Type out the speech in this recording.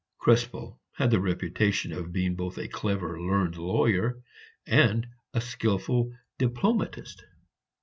Krespel had the reputation of being both a clever, learned lawyer and a skilful diplomatist.